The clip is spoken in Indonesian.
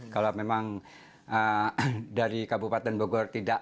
kalau memang dari kabupaten bogor tidak